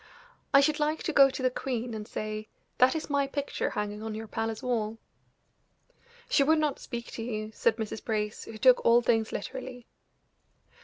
I should like to go to the queen and say: 'That is my picture hanging on your palace wall.'" "She would not speak to you," said Mrs. Brace, who took all things literally.